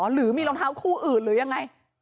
หรือมีรองเท้าคู่อื่นหรือยังไง